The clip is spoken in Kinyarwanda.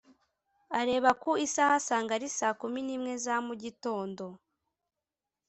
areba ku isaha asanga ari saa kumi n’imwe za mugitondo